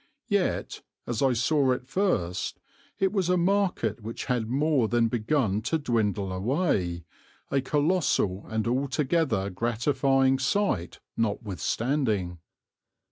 Yet, as I saw it first, it was a market which had more than begun to dwindle away, a colossal and altogether gratifying sight notwithstanding.